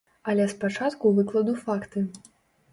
Але спачатку выкладу факты.